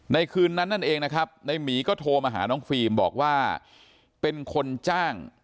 คืนนั้นนั่นเองนะครับในหมีก็โทรมาหาน้องฟิล์มบอกว่าเป็นคนจ้าง